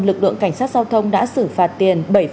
lực lượng cảnh sát giao thông đã xử phạt tiền